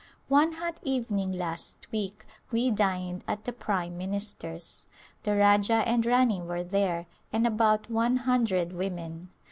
One hot evening last week we dined at the prime minister's. The Rajah and Rani were there and about one hundred women.